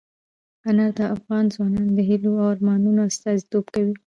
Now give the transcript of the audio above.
انار د افغان ځوانانو د هیلو او ارمانونو استازیتوب کوي.